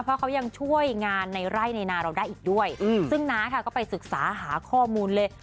เพราะเขายังช่วยงานในไร่ในนาเราได้อีกด้วยซึ่งน้าค่ะก็ไปศึกษาหาข้อมูลเลย